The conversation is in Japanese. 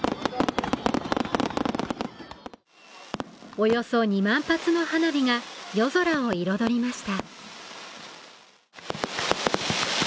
およそ２万発の花火が夜空を彩りました。